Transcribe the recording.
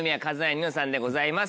『ニノさん』でございます。